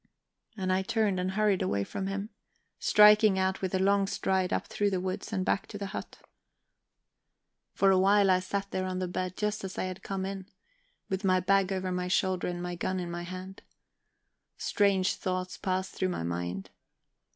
And I turned and hurried away from him, striking out with a long stride up through the woods and back to the hut. For a while I sat there on the bed just as I had come in, with my bag over my shoulder and my gun in my hand. Strange thoughts passed through my mind.